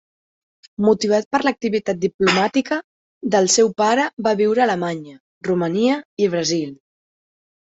Motivat per l'activitat diplomàtica del seu pare va viure a Alemanya, Romania i Brasil.